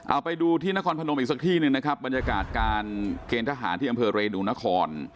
เอาไปดูที่นครพนมอีกสักที่หนึ่งนะครับบรรยากาศการเกณฑ์ทหารที่อำเภอเรดูนคร